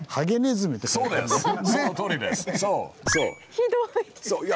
ひどい。